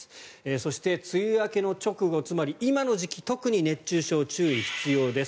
そして、梅雨明けの直後つまり、今の時期特に熱中症、注意が必要です。